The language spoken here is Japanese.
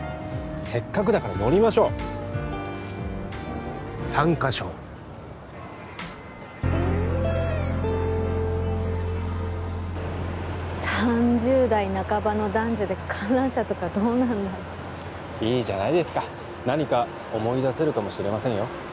せっかくだから乗りましょう参加賞３０代半ばの男女で観覧車とかどうなんだろいいじゃないですか何か思い出せるかもしれませんよ